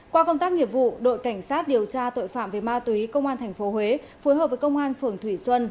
qua công tác nghiệp vụ đội cảnh sát điều tra tội phạm về ma túy công an tp huế phối hợp với công an phường thủy xuân